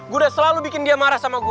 gue udah selalu bikin dia marah sama gue